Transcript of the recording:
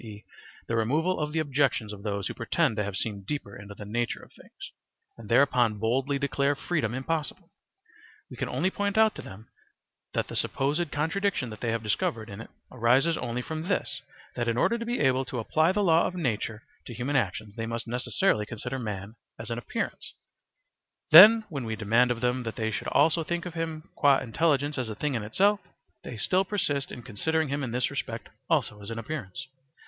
e., the removal of the objections of those who pretend to have seen deeper into the nature of things, and thereupon boldly declare freedom impossible. We can only point out to them that the supposed contradiction that they have discovered in it arises only from this, that in order to be able to apply the law of nature to human actions, they must necessarily consider man as an appearance: then when we demand of them that they should also think of him qua intelligence as a thing in itself, they still persist in considering him in this respect also as an appearance.